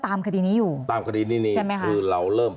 ตามคดีนี้อยู่ใช่ไหมคะคือเราเริ่ม